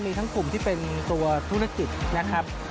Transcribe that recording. มีทั้งกลุ่มที่เป็นตัวธุรกิจนะครับ